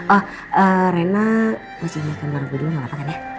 oh rena kasih makan bareng gue dulu mau ngapain ya